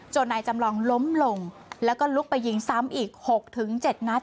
นายจำลองล้มลงแล้วก็ลุกไปยิงซ้ำอีก๖๗นัด